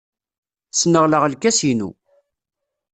Sneɣleɣ lkas-innu.